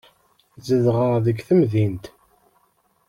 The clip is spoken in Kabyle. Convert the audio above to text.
Zedɣeɣ deg temdint.